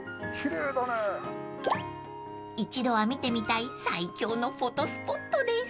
［一度は見てみたい最強のフォトスポットです］